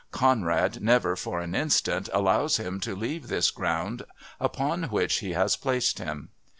Conrad never, for an instant, allows him to leave this ground upon which he has placed him.